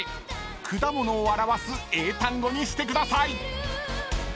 ［果物を表す英単語にしてください］